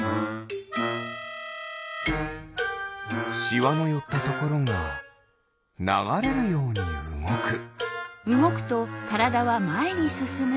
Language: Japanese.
シワのよったところがながれるようにうごく。